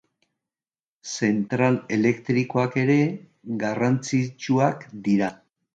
Zentral elektrikoak ere garrantzitsuak dira.